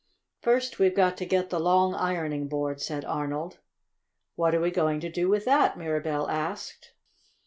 "First we've got to get the long ironing board," said Arnold. "What are we going to do with that?" Mirabell asked.